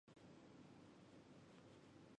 该区域的范围大约是。